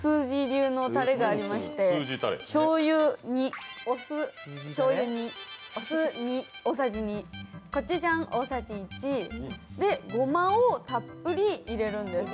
流のタレがありましてしょうゆ２、お酢大さじ２、コチュジャン大さじ１で、ごまをたっぷり入れるんです。